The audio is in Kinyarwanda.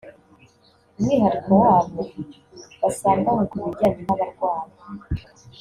umwihariko wabo basanganywe kubijyanye n’abarwayi